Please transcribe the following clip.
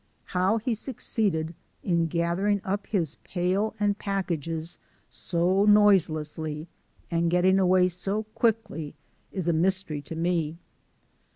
How he succeeded in gathering up his pail and packages so noiselessly and getting away so quickly is a mystery to me.